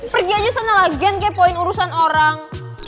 pergi aja sana lagi ankepoin urusan orang